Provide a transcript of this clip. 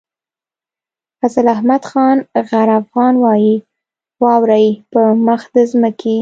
فضل احمد خان غر افغان وايي واورئ په مخ د ځمکې.